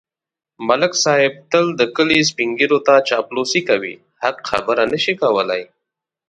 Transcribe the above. ملک صاحب تل د کلي سپېنږیروته چاپلوسي کوي. حق خبره نشي کولای.